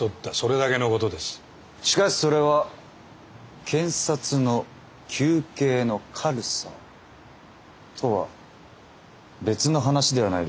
しかしそれは検察の求刑の軽さとは別の話ではないでしょうか。